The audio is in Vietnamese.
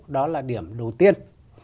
đó là điểm đầu tiên